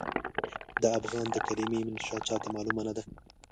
د افغان د کلمې منشا چاته معلومه نه ده.